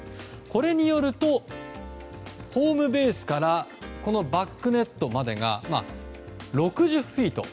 これによるとホームベースからバックネットまでが６０フィート